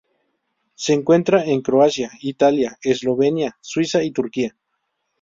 Se encuentra en Croacia, Italia, Eslovenia, Suiza y Turquía.